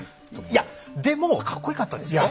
いやでもかっこよかったですよ。